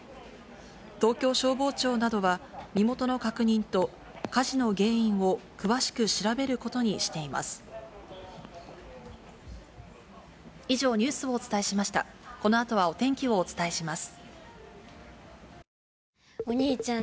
東京消防庁などは、身元の確認と、火事の原因を詳しく調べることにしています。